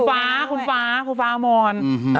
ฟ้าคุณฟ้าคุณฟ้ามอน